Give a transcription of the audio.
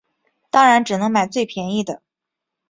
当然只能买最便宜的